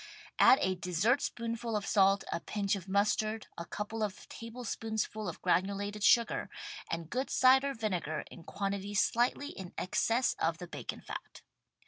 Add a dessert spoonful of salt, a pinch of mustard, a couple of tablespoonsful of granulated sugar and good cider vinegar in quantity slightly in excess of the bacon fat.